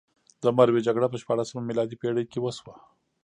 د مروې جګړه په شپاړلسمه میلادي پېړۍ کې وشوه.